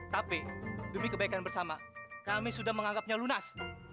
tapi demi kebaikan bersama kami sudah menganggapnya lunas